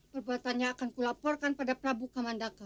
perbuatannya akan kulaporkan pada prabu kamandaka